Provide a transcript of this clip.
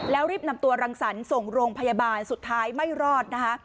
แล้วรีบนำตัวรังสรรค์ส่งโรงพยาบาลสุดท้ายไม่รอดนะคะ